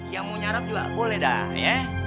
yang mau nyarap juga boleh dah ya